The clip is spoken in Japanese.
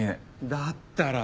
だったら。